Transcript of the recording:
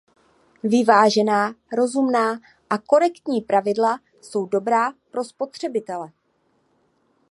Vyvážená, rozumná a korektní pravidla jsou dobrá pro spotřebitele.